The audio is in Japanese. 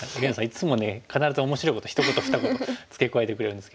いつもね必ず面白いこと一言二言付け加えてくれるんですけども。